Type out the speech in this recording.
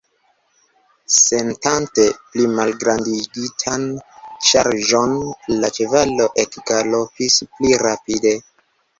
Sentante plimalgrandigitan ŝarĝon, la ĉevalo ekgalopis pli rapide.